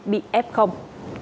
bị ép không